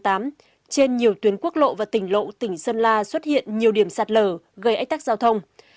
trên nhiều tuyến quốc lộ và tỉnh lộ tỉnh sơn la xuất hiện nhiều điểm sạt lở gây ách tắc giao thông